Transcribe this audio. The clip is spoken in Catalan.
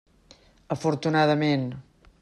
Afortunadament.